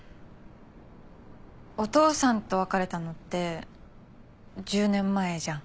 お父さんと別れたのって１０年前じゃん。